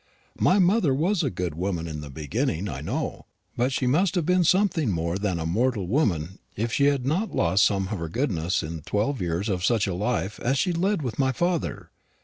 My mother was a good woman in the beginning, I know; but she must have been something more than a mortal woman if she had not lost some of her goodness in twelve years of such a life as she led with my father.